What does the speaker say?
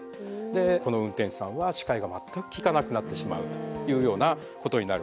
でこの運転手さんは視界が全くきかなくなってしまうというようなことになるわけですね。